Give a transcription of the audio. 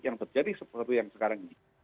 yang terjadi seperti yang sekarang ini